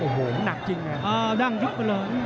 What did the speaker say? โอ้โหหนักจริงไงดั้งยุบไปเลย